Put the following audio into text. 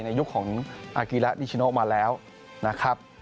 ยุคของอากิระนิชโนมาแล้วนะครับ